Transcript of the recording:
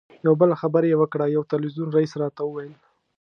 یوه بله خبره یې وکړه یو تلویزیون رییس راته وویل.